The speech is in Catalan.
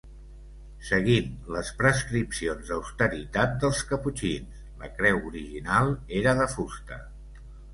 Seguint les prescripcions d'austeritat dels caputxins, la creu original era de fusta.